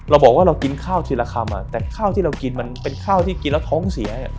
เราบอกว่าเรากินข้าวทีละคำแต่ข้าวที่เรากินมันเป็นข้าวที่กินแล้วท้องเสีย